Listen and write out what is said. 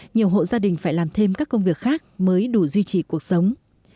nhiều hộ gia đình phải làm thêm các công việc khác mới đủ duy trì cuộc sống